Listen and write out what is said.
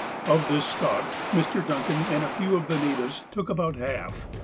Of this stock, Mr. Duncan and a few of the natives took about half.